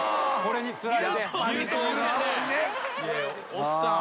おっさん